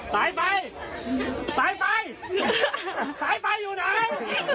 ตายไปตายไปสายไปอยู่ไหน